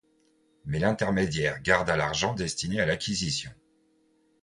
Mais l’intermédiaire garda l’argent destiné à l’acquisition.